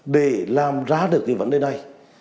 để làm ra được cái vấn đề này